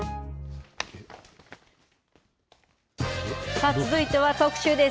さあ、続いては特集です。